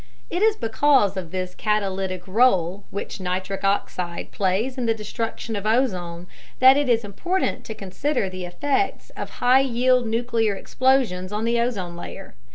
It is because of this catalytic role which nitric oxide plays in the destruction of ozone that it is important to consider the effects of high yield nuclear explosions on the ozone layer.